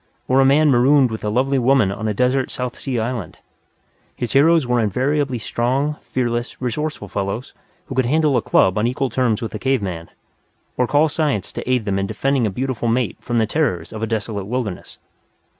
Or a man marooned with a lovely woman on a desert South Sea island. His heroes were invariably strong, fearless, resourceful fellows, who could handle a club on equal terms with a cave man, or call science to aid them in defending a beautiful mate from the terrors of a desolate wilderness.